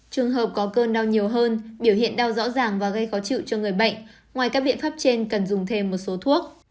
trường hợp có cơn đau nhiều hơn biểu hiện đau rõ ràng và gây khó chịu cho người bệnh ngoài các biện pháp trên cần dùng thêm một số thuốc